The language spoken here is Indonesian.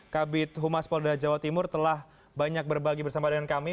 kabit humas polda jawa timur telah banyak berbagi bersama dengan kami